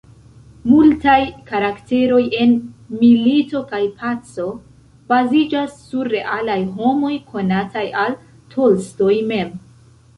Multaj karakteroj en "Milito kaj paco" baziĝas sur realaj homoj konataj al Tolstoj mem.